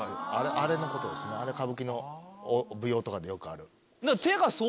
あれ歌舞伎の舞踊とかでよくある。